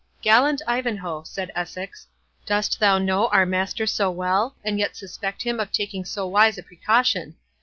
"Gallant Ivanhoe," said Essex, "dost thou know our Master so well, and yet suspect him of taking so wise a precaution!